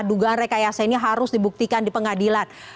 dugaan rekayasa ini harus dibuktikan di pengadilan